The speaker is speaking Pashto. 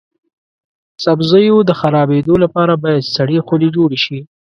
سبزیو د خرابیدو لپاره باید سړې خونې جوړې شي.